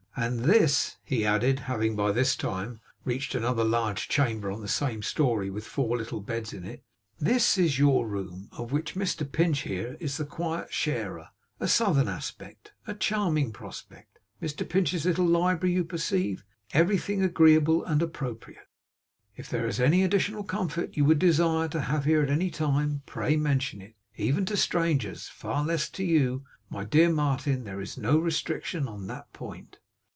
And this,' he added, having by this time reached another large chamber on the same story, with four little beds in it, 'this is your room, of which Mr Pinch here is the quiet sharer. A southern aspect; a charming prospect; Mr Pinch's little library, you perceive; everything agreeable and appropriate. If there is any additional comfort you would desire to have here at anytime, pray mention it. Even to strangers, far less to you, my dear Martin, there is no restriction on that point.